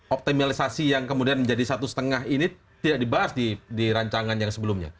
optimalisasi yang kemudian menjadi satu lima ini tidak dibahas di rancangan yang sebelumnya